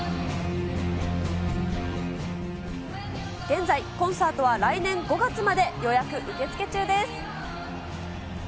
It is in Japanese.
現在、コンサートは来年５月まで予約受け付け中です。